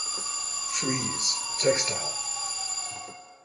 Frieze (textile)